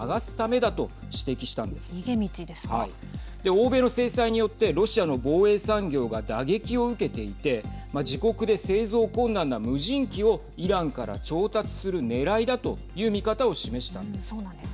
欧米の制裁によってロシアの防衛産業が打撃を受けていて自国で製造困難な無人機をイランから調達するねらいだという見方を示したんです。